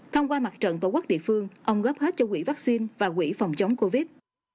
thông qua mặt trận tổ quốc địa phương ông góp hết cho quỹ vaccine và quỹ phòng chống covid